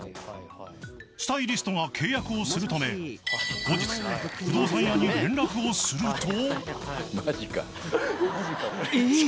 ［スタイリストが契約をするため後日不動産屋に連絡をすると］